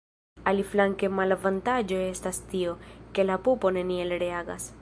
Aliflanke malavantaĝo estas tio, ke la pupo neniel reagas.